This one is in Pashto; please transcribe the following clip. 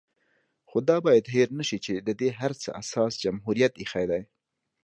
خو دا بايد هېر نشي چې د دې هر څه اساس جمهوريت ايښی دی